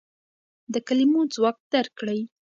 د کلمو ځواک درک کړئ.